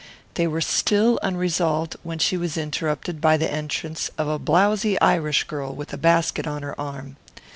They were still unresolved when she was interrupted by the entrance of a blowsy Irish girl with a basket on her arm.